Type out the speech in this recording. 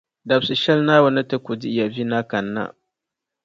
Dabsili shɛli Naawuni ni ti ku dihi ya vi na kani na